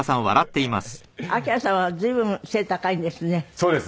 はい。